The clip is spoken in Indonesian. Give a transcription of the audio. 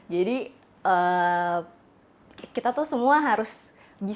jadi kita semua harus berusaha